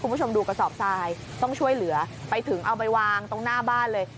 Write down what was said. คุณผู้ชมดูกระสอบทรายต้องช่วยเหลือไปถึงเอาไปวางตรงหน้าบ้านเลย